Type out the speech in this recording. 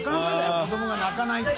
子どもが泣かないって。